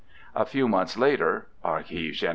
A few months later {Arch, gen.